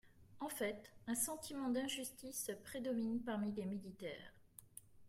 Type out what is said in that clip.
En fait, un sentiment d’injustice prédomine parmi les militaires.